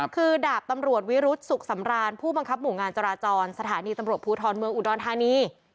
คือดาบตำรวจวิรุธสุขสำรานผู้บังคับหมู่งานจราจรสถานีตำรวจภูทรเมืองอุดรธานี